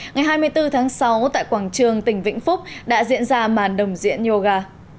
ngày hai mươi bốn tháng sáu tại quảng trường tỉnh vĩnh phúc đã diễn ra màn đồng diễn yoga